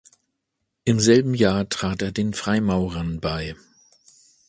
Im selben Jahr trat er den Freimaurern bei.